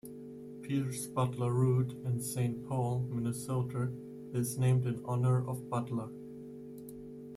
Pierce Butler Route in Saint Paul, Minnesota, is named in honor of Butler.